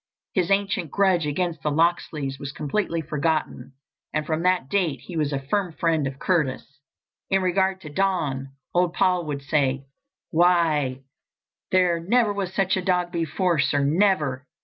His ancient grudge against the Locksleys was completely forgotten, and from that date he was a firm friend of Curtis. In regard to Don, old Paul would say: "Why, there never was such a dog before, sir, never!